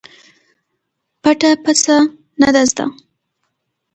پټه پڅه نه ده زده.